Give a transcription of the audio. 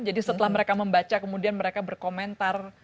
jadi setelah mereka membaca kemudian mereka berkomentar